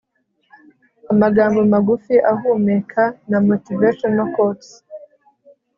amagambo magufi ahumeka namotivational quotes